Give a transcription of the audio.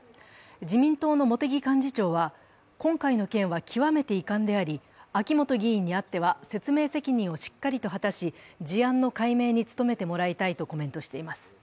自民党の茂木幹事長は、今回の件は極めて遺憾であり、秋元議員にあっては説明責任をしっかりと果たし事案の解明に努めてもらいたいとコメントしています。